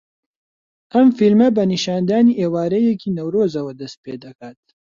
ئەم فیلمە بە نیشاندانی ئێوارەیەکی نەورۆزەوە دەست پێدەکات